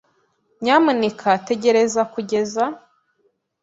Nyamuneka tegereza kugeza ,